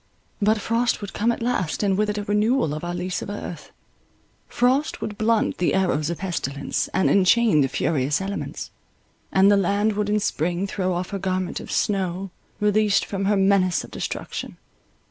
But frost would come at last, and with it a renewal of our lease of earth. Frost would blunt the arrows of pestilence, and enchain the furious elements; and the land would in spring throw off her garment of snow, released from her menace of destruction.